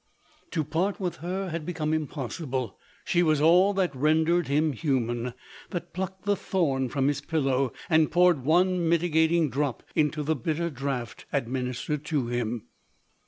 To part with her had become impossible. She was all that rendered him human — that plucked the thorn from his pillow, and poured one mitigating drop into the bitter draught ad ministered to him.